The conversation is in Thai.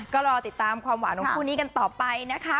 ก็รอติดตามความหวานของคู่นี้กันต่อไปนะคะ